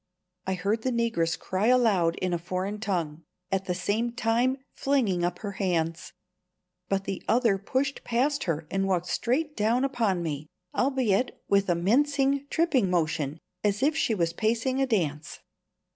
I heard the negress cry aloud in a foreign tongue, at the same time flinging up her hands; but the other pushed past her and walked straight down upon me, albeit with a mincing, tripping motion, as if she was pacing a dance.